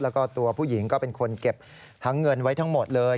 แล้วก็ตัวผู้หญิงก็เป็นคนเก็บทั้งเงินไว้ทั้งหมดเลย